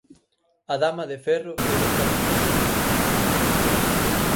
A dama de ferro debe estar furiosa.